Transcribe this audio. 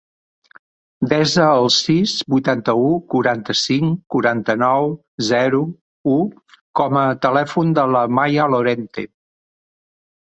Desa el sis, vuitanta-u, quaranta-cinc, quaranta-nou, zero, u com a telèfon de la Maya Lorente.